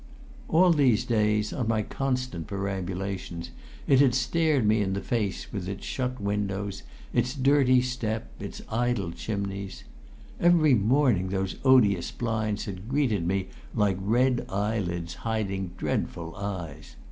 All these days, on my constant perambulations, it had stared me in the face with its shut windows, its dirty step, its idle chimneys. Every morning those odious blinds had greeted me like red eyelids hiding dreadful eyes.